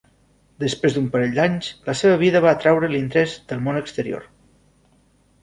Després d'un parell d'anys, la seva vida va atraure l'interès del món exterior.